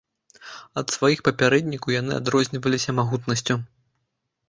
Ад сваіх папярэднікаў яны адрозніваліся магутнасцю.